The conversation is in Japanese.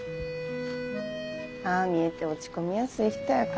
ああ見えて落ち込みやすい人やからなあ。